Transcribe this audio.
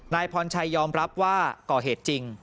นายพรชัยยอมรับว่าก่อเหตุจริง